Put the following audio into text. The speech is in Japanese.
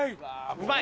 うまい。